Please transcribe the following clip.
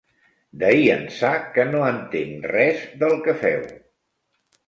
D'ahir ençà que no entenc res del que feu.